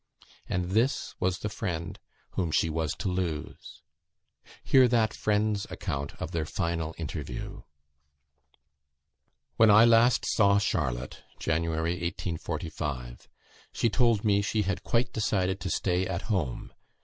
And this was the friend whom she was to lose! Hear that friend's account of their final interview: "When I last saw Charlotte (Jan. 1845), she told me she had quite decided to stay at home.